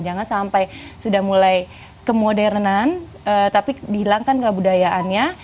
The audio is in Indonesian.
jangan sampai sudah mulai kemodernan tapi dihilangkan kebudayaannya